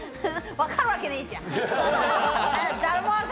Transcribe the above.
分かるわけねえじゃん。